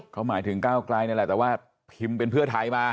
เขาหมายถึงก้าวไกลนี่แหละแต่ว่าพิมพ์เป็นเพื่อไทยมา